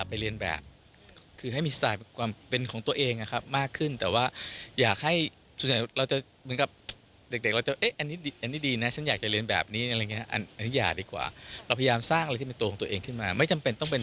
ปัจจุบันมีคาแรกเตอร์ดีไซน์ที่เกิดจากฝี่มือคนไทยเพิ่มขึ้น